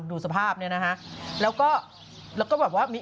ดูสภาพเนี่ยนะครับ